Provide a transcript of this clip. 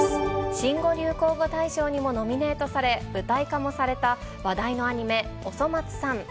新語・流行語大賞にもノミネートされ、舞台化もされた話題のアニメ、おそ松さん。